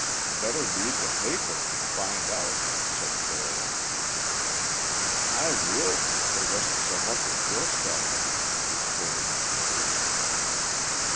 "Better read the paper and find out," said Shorely. "I would, if there wasn't so much of your stuff in it," retorted McCabe.